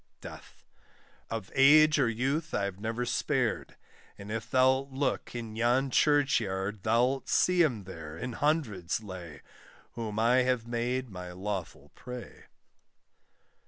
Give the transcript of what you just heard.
DEATH. Of age or youth I've never spared; And if thou'lt look in yon church yard, Thou'lt see them there, in hundreds lay, Whom I have made my lawful prey.